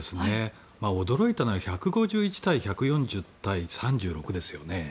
驚いたのは１５１対１４０対３６ですよね。